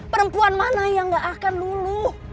perempuan mana yang gak akan lulu